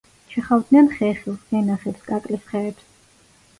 ჩეხავდნენ ხეხილს, ვენახებს, კაკლის ხეებს.